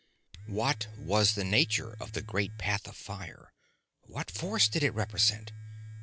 What was the nature of the great path of fire? What force did it represent?